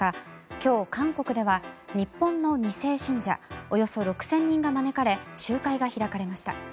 今日、韓国では日本の２世信者およそ６０００人が招かれ集会が開かれました。